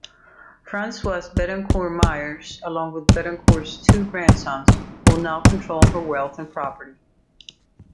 Francoise Bettencourt-Meyers, along with Bettencourt's two grandsons, will now control her wealth and property.